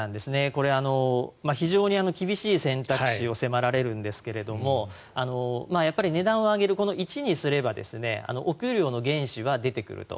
これ、非常に厳しい選択肢を迫られるんですがやっぱり値段を上げるこの１にすればお給料の原資は出てくると。